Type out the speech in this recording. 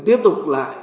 tiếp tục lại